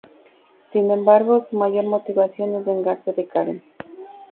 Sin embargo, su mayor motivación es vengarse de Karen.